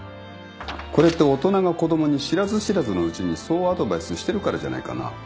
これって大人が子供に知らず知らずのうちにそうアドバイスしてるからじゃないかな。